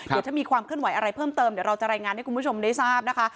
เดี๋ยวถ้ามีความเคลื่อนไหวอะไรเพิ่มเติมเดี๋ยวเราจะรายงานให้คุณผู้ชมได้ทราบนะคะ